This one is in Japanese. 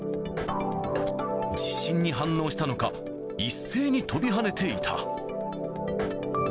地震に反応したのか、一斉に跳びはねていた。